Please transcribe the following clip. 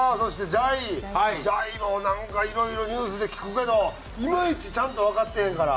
じゃいもなんかいろいろニュースで聞くけどいまいちちゃんとわかってへんから。